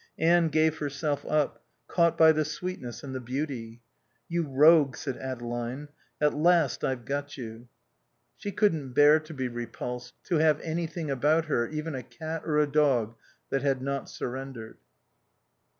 Anne gave herself up, caught by the sweetness and the beauty. "You rogue," said Adeline. "At last I've got you." She couldn't bear to be repulsed, to have anything about her, even a cat or a dog, that had not surrendered.